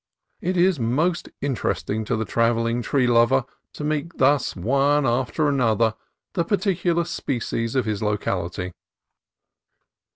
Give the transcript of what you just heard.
It is most interesting to the trav elling tree lover to meet thus one after another the particular species of his locality.